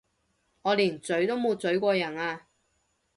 我連咀都冇咀過人啊！